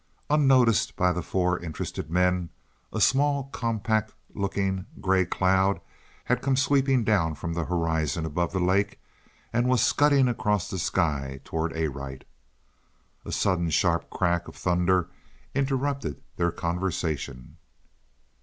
Unnoticed by the four interested men, a small compact looking gray cloud had come sweeping down from the horizon above the lake and was scudding across the sky toward Arite. A sudden sharp crack of thunder interrupted their conversation.